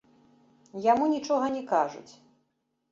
Яму нічога не кажуць.